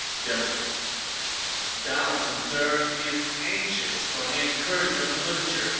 DEMPSTER. 'Donaldson, Sir, is anxious for the encouragement of literature.